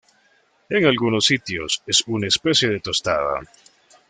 En algunos sitios, es una especie de tostada.